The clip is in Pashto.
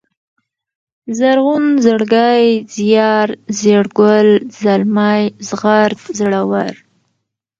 زرغون ، زړگی ، زيار ، زېړگل ، زلمی ، زغرد ، زړور